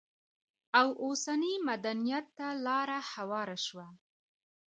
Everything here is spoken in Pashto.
او اوسني مدنيت ته لار هواره شوه؛